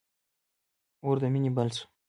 اور د مینی بل سو